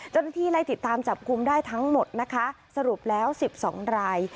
เจ้าหน้าที่ไล่ติดตามจับกลุ่มได้ทั้งหมดนะคะสรุปแล้ว๑๒ราย